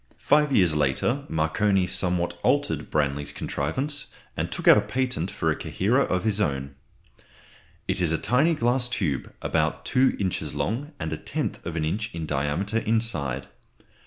Five years later Marconi somewhat altered Branly's contrivance, and took out a patent for a coherer of his own. It is a tiny glass tube, about two inches long and a tenth of an inch in diameter inside.